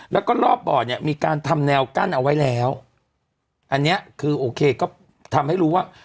แล้วก็รอบบ่อเนี่ยมีการทำแนวกั้นเอาไว้แล้วอันเนี้ยคือโอเคก็ทำให้รู้ว่า